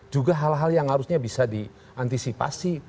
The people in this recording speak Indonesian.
juga hal hal yang harusnya bisa diantisipasi